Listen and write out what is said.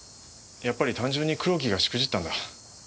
やっぱり単純に黒木がしくじったんだ。